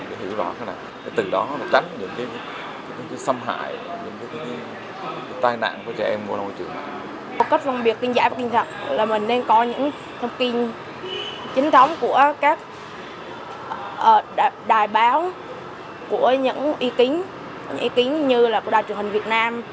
để hiểu rõ thế nào để từ đó tránh những cái xâm hại những cái tai nạn của trẻ em vô nội trường